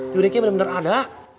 juriknya bener bener ada